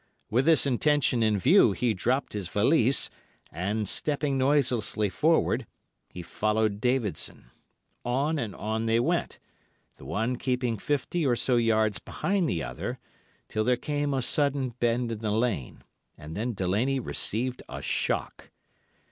With this intention in view he dropped his valise, and, stepping noiselessly forward, he followed Davidson. On and on they went, the one keeping fifty or so yards behind the other, till there came a sudden bend in the lane, and then Delaney received a shock.